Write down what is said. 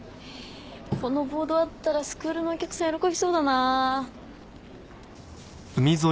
このボードあったらスクールのお客さん喜びそうだなぁ。